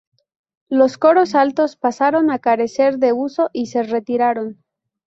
Los coros altos pasaron a carecer de uso y se retiraron.